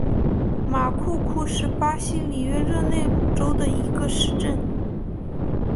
马库库是巴西里约热内卢州的一个市镇。